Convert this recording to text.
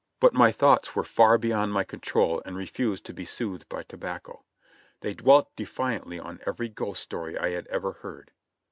But my thoughts were far beyond my control and refused to be soothed by tobacco. They dwelt defiantly on every ghost story I had every heard.